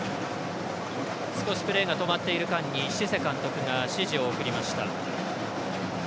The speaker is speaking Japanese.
少しプレーが止まっている間にシセ監督が指示を送りました。